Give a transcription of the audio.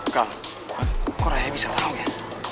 kal kok rai bisa tau ya